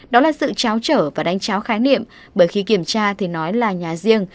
đó là sự trao trở và đánh tráo khái niệm bởi khi kiểm tra thì nói là nhà riêng